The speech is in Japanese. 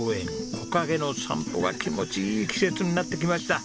木陰の散歩が気持ちいい季節になってきました。